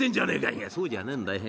「いやそうじゃねえんだよ。